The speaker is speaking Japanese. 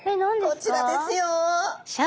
こちらですよ。